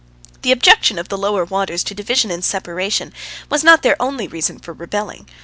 The objection of the lower waters to division and Separation was not their only reason for rebelling.